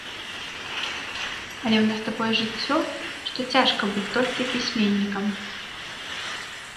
Але ў нас такое жыццё, што цяжка быць толькі пісьменнікам.